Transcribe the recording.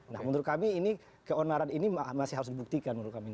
nah menurut kami ini keonaran ini masih harus dibuktikan menurut kami